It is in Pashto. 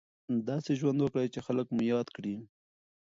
داسې ژوند وکړئ چې خلک مو یاد کړي.